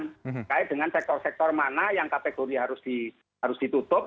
terkait dengan sektor sektor mana yang kategori harus ditutup